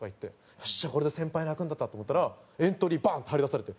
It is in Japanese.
よっしゃこれで先輩の役に立ったと思ったらエントリーバーン！って貼り出されて。